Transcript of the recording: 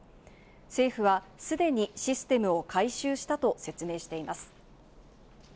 政府はすでにシステムを改修したと説明しています。